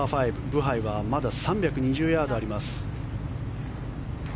ブハイはまだ３２０ヤードあります。